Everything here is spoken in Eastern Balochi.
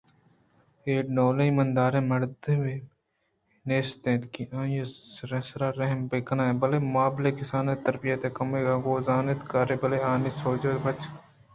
اے ڈولیں ایمانداریں مردمے نیست اِنت کہ آئی ءِ سرا رحم بہ کنت مابلئے کسان ءُتجربت ءِ کمی ءَگوں نہ زانت کاریں بلئے آئی ءِ سوج ءِ ہچ پائدگ نہ بوت